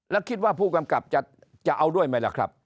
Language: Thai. แล้วคิดว่าผู้กำกับจะเอาด้วยไหมล่ะครับ